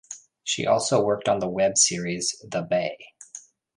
She also worked on the web series "The Bay".